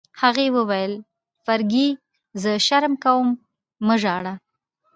هغې وویل: فرګي، زه شرم کوم، مه ژاړه.